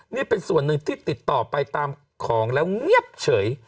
นี่เป็นส่วนหนึ่งที่ติดต่อไปตามของแล้วเงียบเฉย